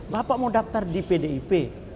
bapak mau daftar di pdip